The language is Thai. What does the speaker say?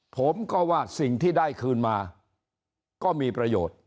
ผมก็ว่าสิ่งที่ได้คืนมาก็มีประโยชน์